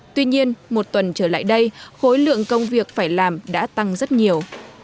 tuy nhiên một tuần trở lại đây khối lượng công việc phải làm đã tăng rất nhiều